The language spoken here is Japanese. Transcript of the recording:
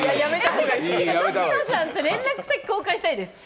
槙野さんと連絡先を交換したいです。